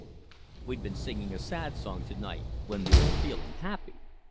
We've been singing a sad song to night when we're feeling happy.